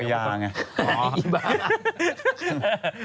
มียาไงอ๋ออีบ๊า